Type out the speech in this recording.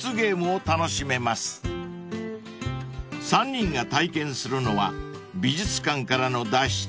［３人が体験するのは美術館からの脱出］